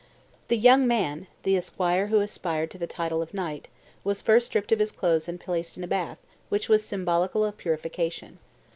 "The young man, the esquire who aspired to the title of knight, was first stripped of his clothes and placed in a bath, which was symbolical of purification.